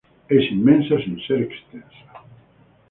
Es inmensa sin ser extensa".